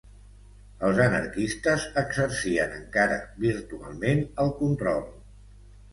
Els anarquistes exercien encara, virtualment, el control.